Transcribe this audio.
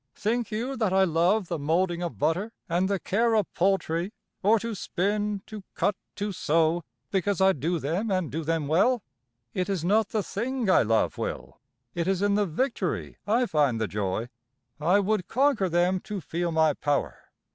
Think you that I love the molding of butter and the care of poultry, or to spin, to cut, to sew, because I do them and do them well? It is not the thing I love, Will it is in the victory I find the joy. I would conquer them to feel my power.